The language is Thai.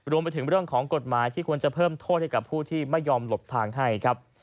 รวมไปถึงเรื่องของกฎหมายที่ควรจะเพิ่มโทษให้กับผู้ที่ไม่ยอมหลบทางให้ครับ